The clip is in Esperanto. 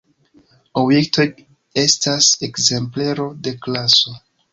Objekto estas ekzemplero de klaso.